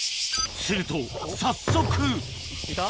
すると早速いた？